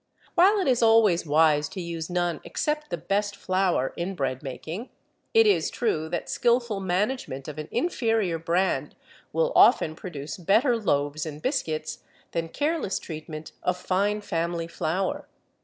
While it is always wise to use none except the best flour in bread making, it is true that skilful management of an inferior brand will often produce better loaves and biscuits than careless treatment of fine family flour.